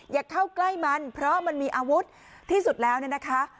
อย่าเข้าใกล้มันเพราะมันมีอาวุธที่สุดแล้วเนี่ยนะคะ